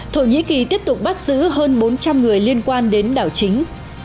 thổ nhĩ kỳ tiếp tục bắt giữ hơn bốn trăm linh người liên quan đến đảo chính